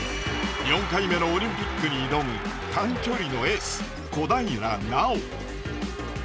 ４回目のオリンピックに挑む短距離のエース小平奈緒。